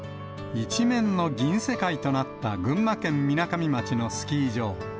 一面の銀世界となった群馬県みなかみ町のスキー場。